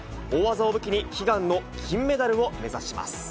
大技を武器に、悲願の金メダルを目指します。